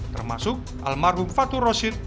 termasuk almarhum fatur roshid